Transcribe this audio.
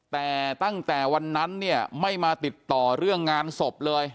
แต่ตั้งแต่วันนั้นเนี่ยไม่มาติดต่อเรื่องงานศพเลย